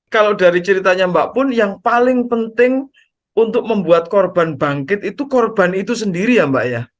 kalau dari ceritanya mbak pun yang paling penting untuk membuat korban bangkit itu korban itu sendiri ya mbak ya